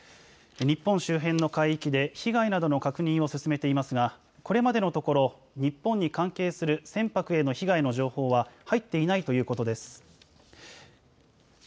日本周辺の海域で被害などの確認を進めていますがこれまでのところ、日本に関係する船舶への被害の情報は入っていないということです。